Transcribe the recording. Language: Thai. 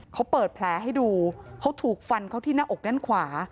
เขาเปิดแผลให้ดูเขาถูกฟันเขาที่หน้าอกด้านขวา